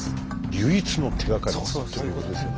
唯一の手がかりということですよね。